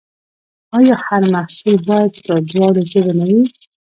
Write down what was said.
آیا هر محصول باید په دواړو ژبو نه وي؟